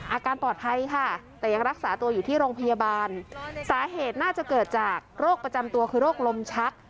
อาการปลอดภัยค่ะแต่ยังรักษาตัวอยู่ที่โรงพยาบาลสาเหตุน่าจะเกิดจากโรคประจำตัวคือโรคลมชัก